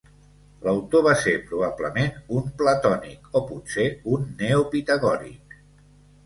L'autor va ser probablement un platònic, o potser un neopitagòric.